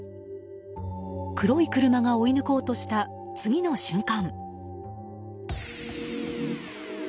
黒い車が追い抜こうとした次の瞬間。